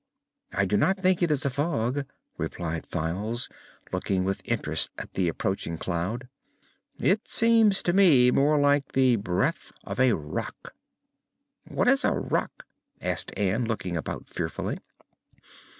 "I do not think it is a fog," replied Files, looking with interest at the approaching cloud. "It seems to me more like the breath of a Rak." "What is a Rak?" asked Ann, looking about fearfully.